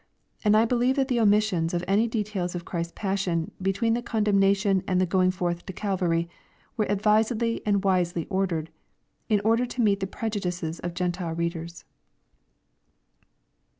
And I beheve that the omission of any details of Christ's passion between the condemnation and tlie going forth to Calvary, was advisedly and wisely ordered, in order to meet the prejudices of Gentile readers.